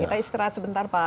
kita istirahat sebentar pak